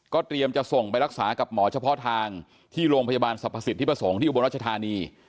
เตรียมจะส่งไปรักษากับหมอเฉพาะทางที่โรงพยาบาลสรรพสิทธิประสงค์ที่อุบลรัชธานี